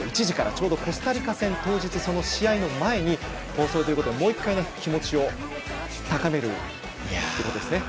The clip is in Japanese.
ちょうどコスタリカ戦当日その試合の前に放送ということでもう一回、気持ちを高めるということですね。